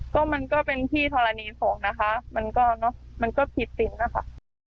ก็มันก็เป็นพี่ทรณีสงฆ์นะคะมันก็ผิดสินนะคะ